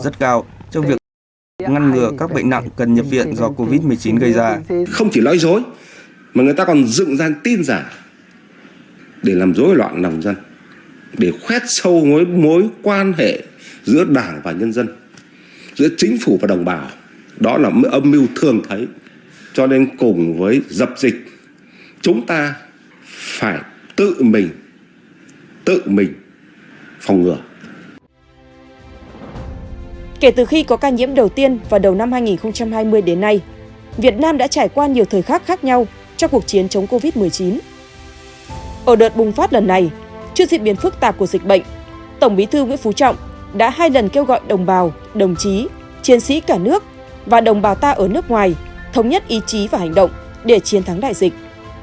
tổng bí thư nguyễn phú trọng đã hai lần kêu gọi đồng bào đồng chí chiến sĩ cả nước và đồng bào ta ở nước ngoài thống nhất ý chí và hành động để chiến thắng đại dịch